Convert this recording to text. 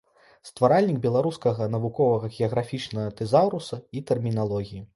Стваральнік беларускага навуковага геаграфічнага тэзаўруса і тэрміналогіі.